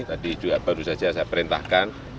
tadi juga baru saja saya perintahkan